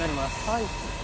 はい。